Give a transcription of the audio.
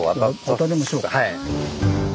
渡りましょう。